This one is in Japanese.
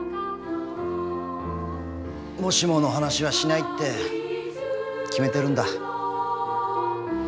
もしもの話はしないって決めてるんだ。